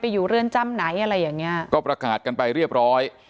อยู่เรือนจำไหนอะไรอย่างเงี้ยก็ประกาศกันไปเรียบร้อย